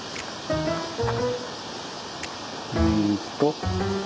うんと。